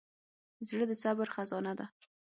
زړه د صبر خزانه ده.